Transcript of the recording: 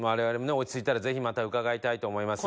落ち着いたらぜひまた伺いたいと思いますんで」